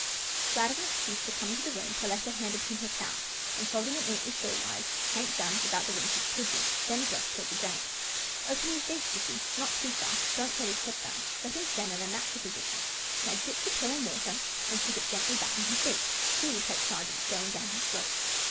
Glad of an excuse to come into the room, Perletta handed him her towel, and, folding it neatly shawl wise. Hank bound it about the wings of the pigeon, then addressed 'Tilda Jane. " Open his beak, sissy — not too far. Don't throw his head back. Let him stand in a natural position. Now dip the pill in water, and slip it gently back in his beak. He will take charge of its going down his throat."